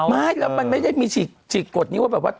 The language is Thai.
ไม่แล้วมันไม่ได้มีฉีกกฎนี้ว่าแบบว่า